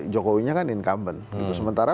jokowi nya kan incumbent sementara